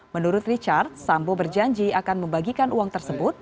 menurut richard sambo berjanji akan membagikan uang tersebut